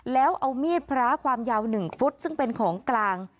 แล้วเอามีดพระความยาว๑ฟุตซึ่งเป็นของกลาง